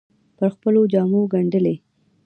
پر خپلو جامو ګنډلې